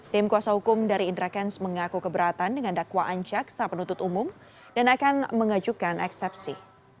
tim kuasa hukum dari indra kents mengaku keberatan dengan dakwaan jaksa penuntut umum dan akan mengajukan eksepsi